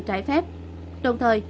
trái phép đồng thời